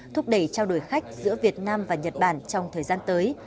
thúc đẩy trao đổi khách giữa việt nam và nhật bản trong thời gian tới